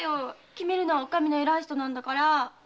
決めるのはお上の偉い人なんだから。